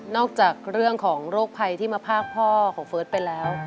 จากเรื่องของโรคภัยที่มาพากพ่อของเฟิร์สไปแล้ว